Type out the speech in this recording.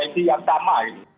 yd yang sama